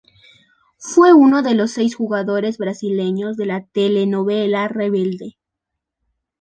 Fue uno de los seis jugadores brasileños de la telenovela Rebelde.